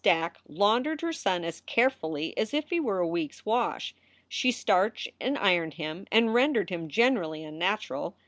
Dack laundered her son as carefully as if he were a week s wash. She starched and ironed him and rendered him generally unnatural.